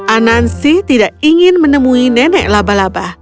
anansi tidak ingin menemui nenek laba laba